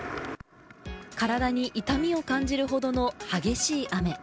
体に痛みを感じるほどの激しい雨。